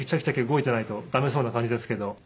動いてないと駄目そうな感じですけど。